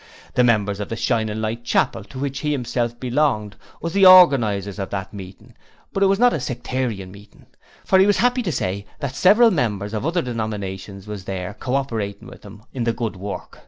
The members of the Shining Light Chapel to which he himself belonged was the organizers of that meeting but it was not a sectarian meeting, for he was 'appy to say that several members of other denominations was there co operating with them in the good work.